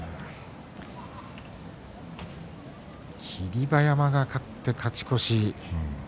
霧馬山が勝って勝ち越し。